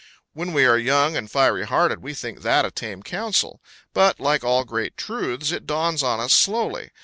When we are young and fiery hearted, we think that a tame counsel; but, like all great truths, it dawns on us slowly.